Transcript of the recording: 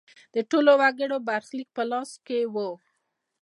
د ټولو وګړو برخلیک په لاس کې و.